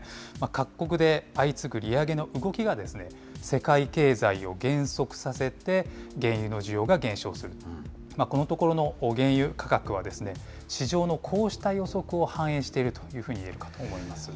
各国で相次ぐ利上げの動きが、世界経済を減速させて、原油の需要が減少すると、このところの原油価格は市場のこうした予測を反映しているというふうに言えるかと思います。